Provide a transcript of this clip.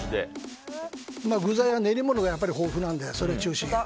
具材は練り物が豊富なのでそれ中心。